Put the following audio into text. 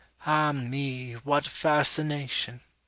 Ah me! what fascination!